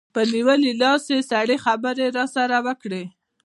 په نیولي لاس یې سړې خبرې راسره وکړې.